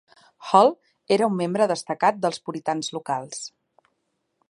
Hall era un membre destacat dels puritans locals.